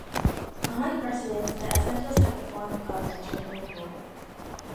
Unlike precedents, the assentos had the form of a general rule.